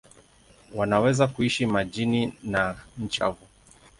Wanaweza kuishi majini na nchi kavu.